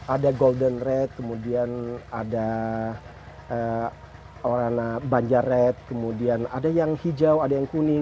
ada golden red kemudian ada awarenna banjar red kemudian ada yang hijau ada yang kuning